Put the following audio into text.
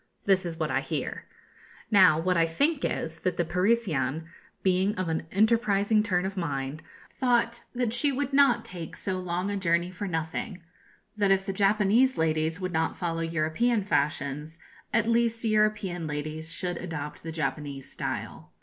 This is what I hear. Now what I think is, that the Parisienne, being of an enterprising turn of mind, thought that she would not take so long a journey for nothing that if the Japanese ladies would not follow European fashions, at least European ladies should adopt the Japanese style.